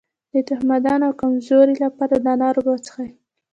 د تخمدان د کمزوری لپاره د انار اوبه وڅښئ